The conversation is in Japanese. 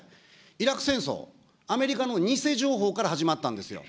イラク戦争、アメリカの偽情報から始まったんですよ。